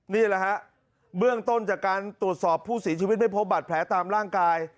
นี่แหละฮะเบื้องต้นจากการตรวจสอบผู้เสียชีวิตไม่พบบัตรแผลตามร่างกาย